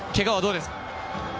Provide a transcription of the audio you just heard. けがはどうですか？